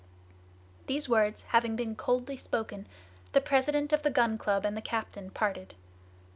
These words having been coldly spoken, the president of the Gun Club and the captain parted.